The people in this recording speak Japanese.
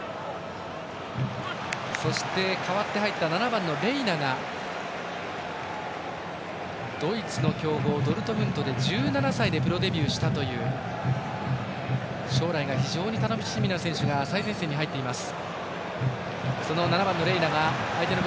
そして、代わって入った７番のレイナはドイツの強豪ドルトムントで１７歳でプロデビューしたという将来が非常に楽しみな選手ですが最前線に入っています。